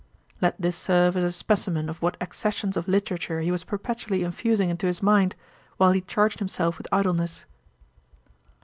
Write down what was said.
Let this serve as a specimen of what accessions of literature he was perpetually infusing into his mind, while he charged himself with idleness.